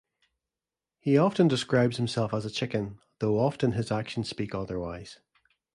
He often describes himself as "chicken," though often his actions speak otherwise.